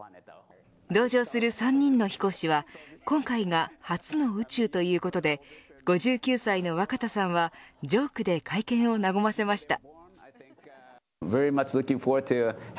同乗する３人の飛行士は今回が初の宇宙ということで５９歳の若田さんはジョークで会見を和ませました。